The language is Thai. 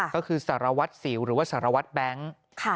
ก็คือสารวัตรสิวหรือว่าสารวัตรแบงค์